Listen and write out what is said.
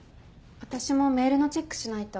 私もメールのチェックしないと。